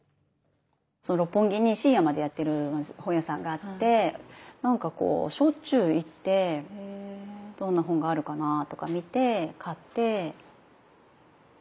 六本木に深夜までやってる本屋さんがあってなんかしょっちゅう行ってどんな本があるかなぁとか見て買って。